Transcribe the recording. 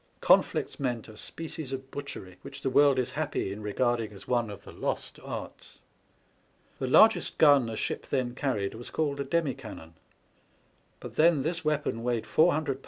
Conflicts meant a species of butchery which the world is happy in regarding as one of the lost arts. The largest gun a ship then carried was called a demy cannon; but then this weapon weighed 400 lbs.